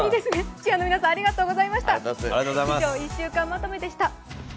チアの皆さん、ありがとうございました。